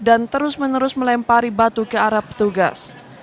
dan terus menerus melempari batu ke arah petugas